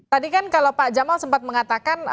tadi kan kalau pak jamal sempat mengatakan